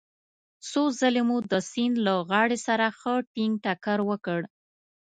څو ځلې مو د سیند له غاړې سره ښه ټينګ ټکر وکړ.